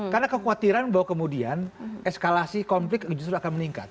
karena kekhawatiran bahwa kemudian eskalasi konflik justru akan meningkat